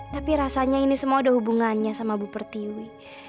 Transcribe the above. tapi rasanya ini semua ada hubungannya sama bu pertiwi